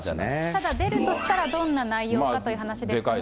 ただ、出るとしたらどんな内容かという話ですが。